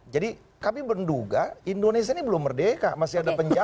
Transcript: jadi kami berduga indonesia ini belum merdeka masih ada penjajah